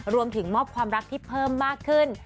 รวมถึงมอบความรักที่เพิ่มมากขึ้น